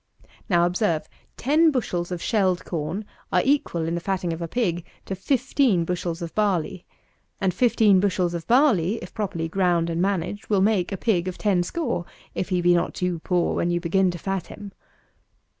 Now, observe, ten bushels of shelled corn are equal, in the fatting of a pig, to fifteen bushels of barley; and fifteen bushels of barley, if properly ground and managed, will make a pig of ten score, if he be not too poor when you begin to fat him.